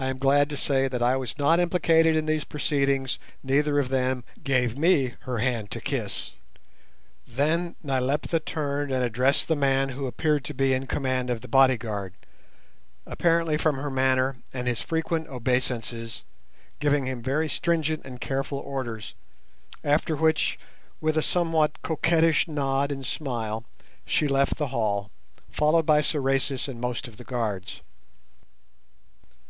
I am glad to say that I was not implicated in these proceedings; neither of them gave me her hand to kiss. Then Nyleptha turned and addressed the man who appeared to be in command of the bodyguard, apparently from her manner and his frequent obeisances, giving him very stringent and careful orders; after which, with a somewhat coquettish nod and smile, she left the hall, followed by Sorais and most of the guards.